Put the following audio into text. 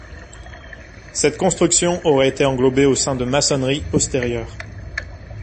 Cette construction aurait été englobée au sein de maçonneries postérieures.